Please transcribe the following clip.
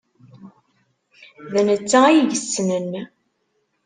D netta ay yessnen.